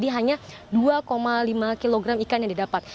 hanya dua lima kg ikan yang didapat